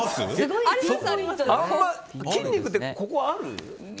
筋肉って、そこにある？